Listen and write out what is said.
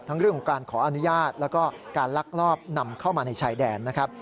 เรื่องของการขออนุญาตแล้วก็การลักลอบนำเข้ามาในชายแดนนะครับ